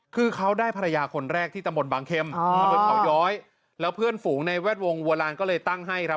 คือเขาได้ภรรยาคนแรกที่ตำบลบางเข็มตะบนเขาย้อยแล้วเพื่อนฝูงในแวดวงวัวลานก็เลยตั้งให้ครับ